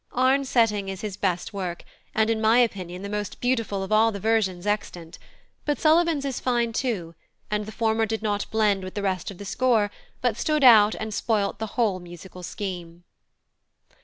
Arne's setting is his best work, and, in my opinion, the most beautiful of all the versions extant; but Sullivan's is fine too, and the former did not blend with the rest of the score but stood out and spoilt the whole musical scheme.